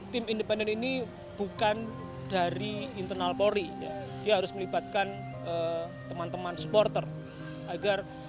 tim independen ini bukan dari internal polri dia harus melibatkan teman teman supporter agar